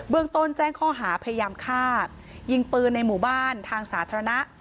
ต้นแจ้งข้อหาพยายามฆ่ายิงปืนในหมู่บ้านทางสาธารณะ